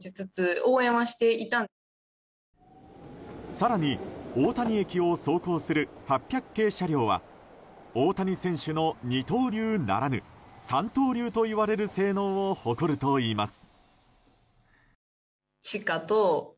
更に大谷駅を走行する８００系車両は大谷選手の二刀流ならぬ三刀流といわれる性能を誇るといいます。